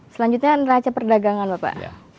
selanjutnya neraca perdagangan bapak